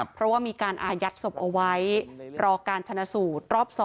เพราะว่ามีการอายัดศพเอาไว้รอการชนะสูตรรอบ๒